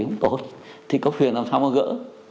không tốt thì cấp huyện làm sao mà gỡ